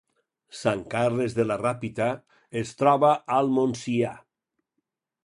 Sant Carles de la Ràpita es troba al Montsià